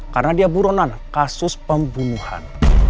karena dia buronan kasus pembunuhan